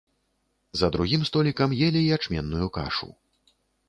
За другім столікам елі ячменную кашу.